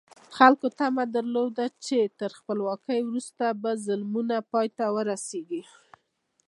خلکو تمه درلوده چې تر خپلواکۍ وروسته به ظلمونه پای ته ورسېږي.